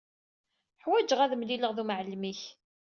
Ḥwaǧeɣ ad mlileɣ d umɛellem-ik.